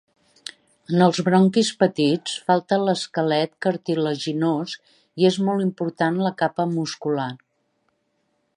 En els bronquis petits falta l'esquelet cartilaginós i hi és molt important la capa muscular.